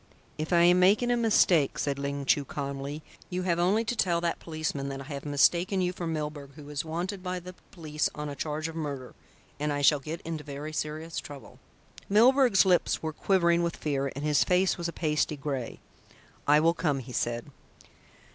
"If I am making a mistake," said Ling Chu calmly, "you have only to tell that policeman that I have mistaken you for Milburgh, who is wanted by the police on a charge of murder, and I shall get into very serious trouble." Milburgh's lips were quivering with fear and his face was a pasty grey. "I will come," he said.